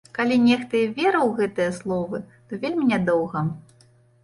Калі нехта і верыў у гэтыя словы, то вельмі нядоўга.